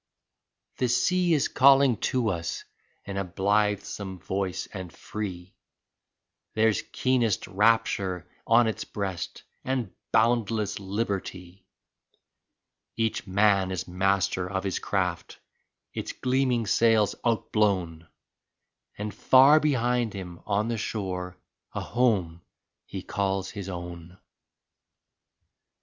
34 The sea is calling to us in a blithesome voice and free, There's keenest rapture on its breast and boundless liberty ! Each man is master of his craft, its gleaming sails out blown. And far behind him on the shore a home he calls his own.